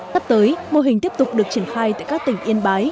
sắp tới mô hình tiếp tục được triển khai tại các tỉnh yên bái